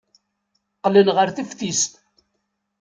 Qqlen ɣer teftist.